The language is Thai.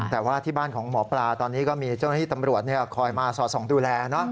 แต่ว่าที่บ้านของหมอปลาตอนนี้ก็มีเจ้าหน้าที่ตำรวจคอยมาสอดส่องดูแล